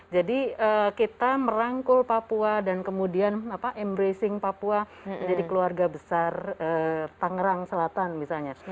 jadi kita merangkul papua dan kemudian embracing papua jadi keluarga besar tangerang selatan misalnya